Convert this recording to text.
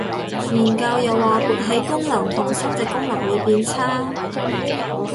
研究又話勃起功能同生殖能力會變差